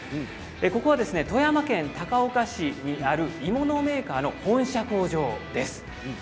ここは富山県高岡市にある鋳物メーカーの本社工場です。